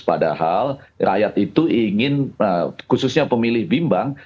padahal rakyat itu ingin khususnya pemilih bimbang